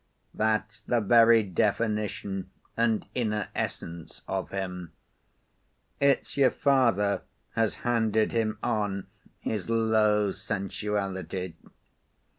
That's the very definition and inner essence of him. It's your father has handed him on his low sensuality.